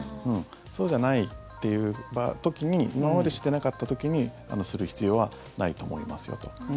そうじゃないっていう時に今までしてなかった時にする必要はないと思いますよと。